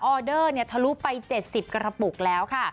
อเดอร์ทะลุไป๗๐กระปุกแล้วค่ะ